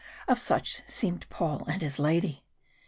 Of such seemed Paul and his lady.